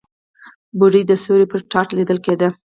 بوډۍ سيوری پر تاټ ليدل کېده.